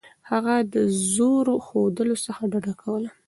هغه د زور ښودلو څخه ډډه کوله.